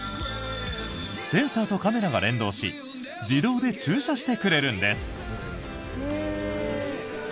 センサーとカメラが連動し自動で駐車してくれるんです。